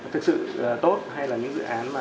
thực sự tốt hay là những dự án mà